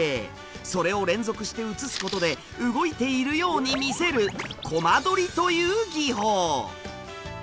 それを連続して映すことで動いているように見せる「コマ撮り」という技法。